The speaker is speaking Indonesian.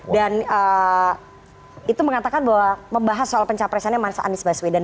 dan itu mengatakan bahwa membahas soal pencapresannya mas anies baswedan